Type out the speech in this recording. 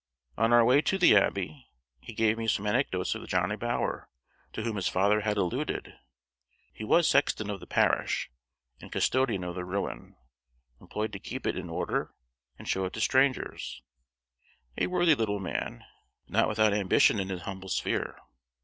On our way to the Abbey he gave me some anecdotes of Johnny Bower to whom his father had alluded; he was sexton of the parish and custodian of the ruin, employed to keep it in order and show it to strangers; a worthy little man, not without ambition in his humble sphere.